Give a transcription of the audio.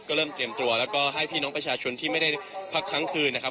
ก็เริ่มเตรียมตัวแล้วก็ให้พี่น้องประชาชนที่ไม่ได้พักครั้งคืนนะครับ